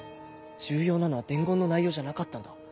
重要なのは伝言の内容じゃなかったんだ。